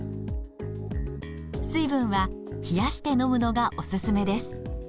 水分は冷やして飲むのがおすすめです。